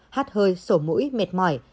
hát hơi sổ mũi mệt mỏi